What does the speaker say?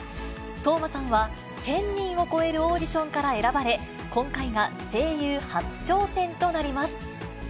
當真さんは１０００人を超えるオーディションから選ばれ、今回が声優初挑戦となります。